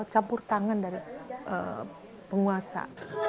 campur tangan dari penguasa